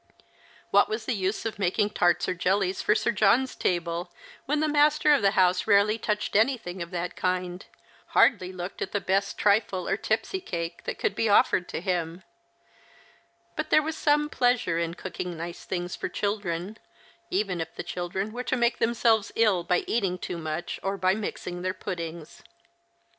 What was the use of making tarts or jellies for 8ir John's table, when the master of the house rarely touched anything of that kind, hardly looked at the best trifle or tipsy cake that could be offered to him ; but there was some pleasure in cooking nice things for children, even if the children were to make themselves ill by eating too much or by mixing their jjuddings.